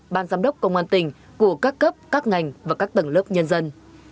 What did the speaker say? ban giám đốc công an tỉnh của các cấp các ngành và các tầng lớp nhân dân